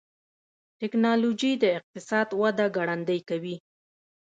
ټکنالوجي د اقتصاد وده ګړندۍ کوي.